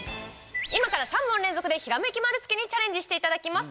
今から３問連続でひらめき丸つけにチャレンジしていただきます。